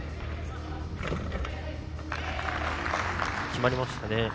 決まりましたね。